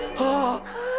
ああ！